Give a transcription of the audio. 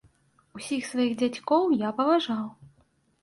Усіх сваіх дзядзькоў я паважаў.